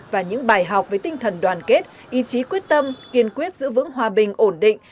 và những bài học với tinh thần đoàn kết ý chí quyết tâm kiên quyết giữ vững hòa bình ổn định